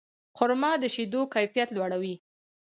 خرما د شیدو کیفیت لوړوي.